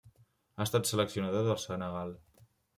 Ha estat seleccionador del Senegal.